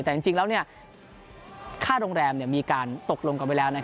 แต่จริงแล้วค่าโรงแรมมีการตกลงกันไว้แล้ว